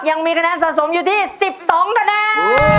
ยังมีคะแนนสะสมอยู่ที่๑๒คะแนน